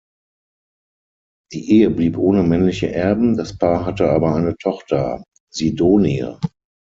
Die Ehe blieb ohne männliche Erben, das Paar hatte aber eine Tochter Sidonie.